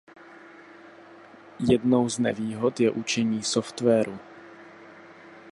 Jednou z nevýhod je učení softwaru.